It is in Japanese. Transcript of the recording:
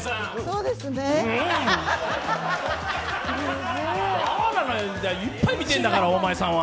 そうなのよ、いっぱい見てるんだから、大前さんは。